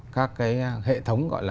các cái hệ thống gọi là